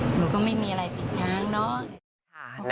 หนูก็ไม่มีอะไรติดท้ายจน